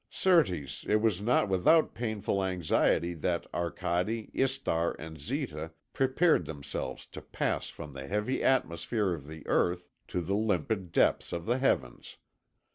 Certes, it was not without painful anxiety that Arcade, Istar, and Zita prepared themselves to pass from the heavy atmosphere of the earth to the limpid depths of the heavens.